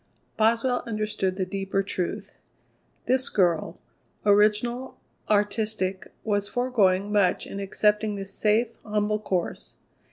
Boswell understood the deeper truth. This girl, original, artistic, was foregoing much in accepting this safe, humble course.